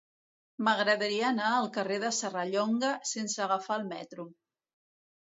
M'agradaria anar al carrer de Serrallonga sense agafar el metro.